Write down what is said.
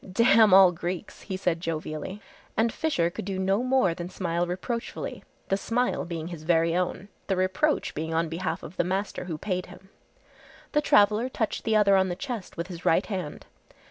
"Damn all Greeks," he said jovially, and Fisher could do no more than smile reproachfully, the smile being his very own, the reproach being on behalf of the master who paid him. The traveller touched the other on the chest with his right hand.